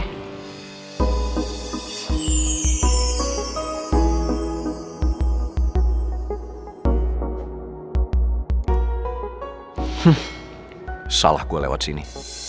hmm salah gue lewat sini